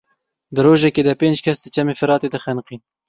Di rojekê de pênc kes di Çemê Firatê de xeniqîn.